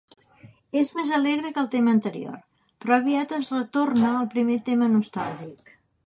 És més alegre que el tema anterior, però aviat es retorna al primer tema nostàlgic.